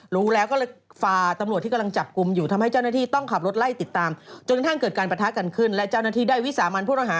รู้แล้วก็ฝาตำรวจที่กำลังจับกลุ่มอยู่ทำให้เจ้าหน้าที่ต้องขับรถไล่ติดตาม